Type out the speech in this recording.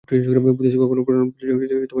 বুদ্ধিতে কখনও প্রেরণাবোধ জাগিতে পারে না।